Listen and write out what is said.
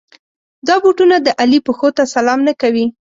دا بوټونه د علي پښو ته سلام نه کوي.